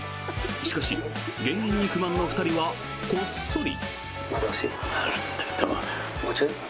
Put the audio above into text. しかし、減塩に不満の２人はこっそり。